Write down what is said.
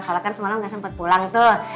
soalnya kan semalam ga sempet pulang tuh